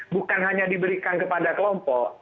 bukan hanya diberikan kepada kelompok